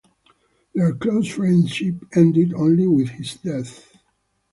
Their close friendship ended only with his death.